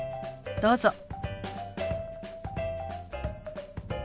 どうぞ。